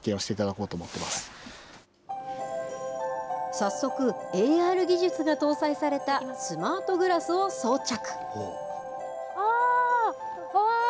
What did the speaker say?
早速、ＡＲ技術が搭載されたスマートグラスを装着。